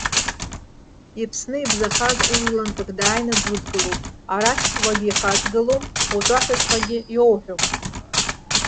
Иԥсны ибзахаз ужәлантәык дааины дудгылоуп, арахь уагьихаҵгылом, утәа ҳәаҵәҟьагьы иоуҳәом!